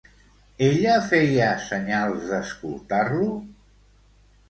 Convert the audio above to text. Ella feia senyals d'escoltar-lo?